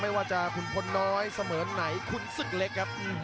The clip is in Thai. ไม่ว่าจะคุณพลน้อยเสมอไหนคุณศึกเล็กครับ